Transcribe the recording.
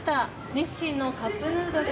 日清のカップヌードル。